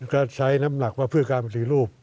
ก็ใช้น้ำหนักว่าเพื่อการปฏิรูป